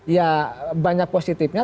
ya banyak positifnya